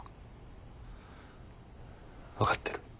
分かってる。